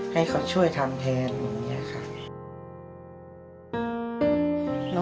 ให้เขาช่วยทำแทน